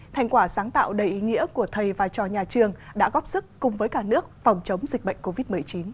thành quả sáng tạo đầy ý nghĩa của thầy và cho nhà trường đã góp sức cùng với cả nước phòng chống dịch bệnh covid một mươi chín